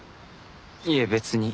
いえ別に。